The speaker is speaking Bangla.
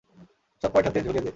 সব কয়টাতে ঝুলিয়ে দে!